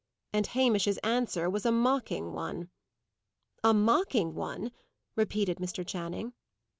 And Hamish's answer was a mocking one." "A mocking one!" repeated Mr. Channing.